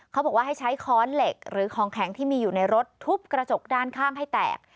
เขาบอกว่าให้ใช้ค้อนเหล็กหรือของแข็งที่มีอยู่ในรถทุบกระจกด้านข้างให้แตก